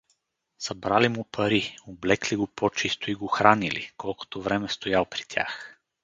Събрали му пари, облекли го по-чисто и го хранили, колкото време стоял при тях.